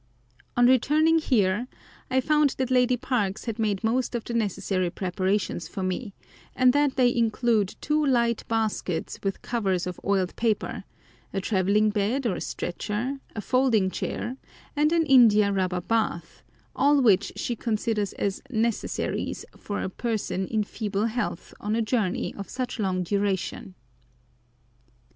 On returning here I found that Lady Parkes had made most of the necessary preparations for me, and that they include two light baskets with covers of oiled paper, a travelling bed or stretcher, a folding chair, and an india rubber bath, all which she considers as necessaries for a person in feeble health on a journey of such long duration.